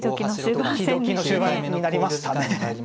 ドキドキの終盤になりましたね。